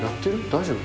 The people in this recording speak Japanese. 大丈夫？